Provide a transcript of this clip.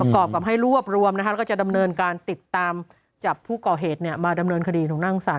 ก็จะหม่องของพระอาทิตย์ที่ทรัพย์หลังกา